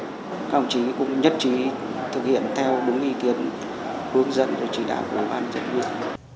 các đồng chí cũng nhất trí thực hiện theo đúng ý kiến hướng dẫn và chỉ đảm của bản dân viên